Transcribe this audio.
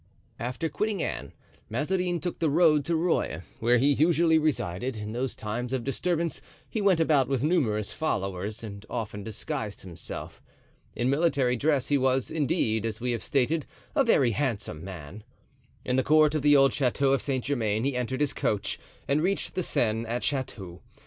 After quitting Anne, Mazarin took the road to Rueil, where he usually resided; in those times of disturbance he went about with numerous followers and often disguised himself. In military dress he was, indeed, as we have stated, a very handsome man. In the court of the old Chateau of Saint Germain he entered his coach, and reached the Seine at Chatou.